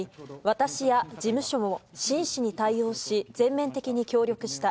私や事務所も真摯に対応し、全面的に協力した。